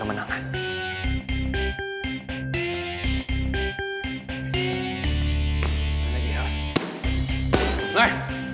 aneh banget deh sumpah